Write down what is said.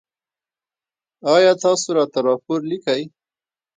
ایا تاسو راته راپور لیکئ؟